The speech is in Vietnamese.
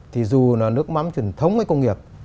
thì dù là nước mắm truyền thống hay công nghiệp